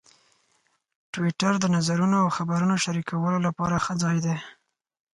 ټویټر د نظرونو او خبرونو شریکولو لپاره ښه ځای دی.